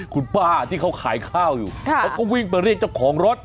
คุณป้าที่เขาขายข้าวอยู่เขาก็วิ่งไปเรียกเจ้าของรถ